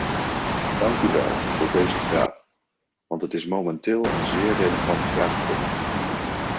Dank u wel voor deze vraag, want het is momenteel een zeer relevant vraagstuk.